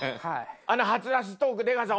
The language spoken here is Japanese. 「初出しトーク出川さん